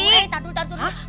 eh taduh taduh